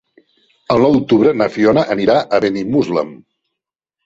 El nou d'octubre na Fiona anirà a Benimuslem.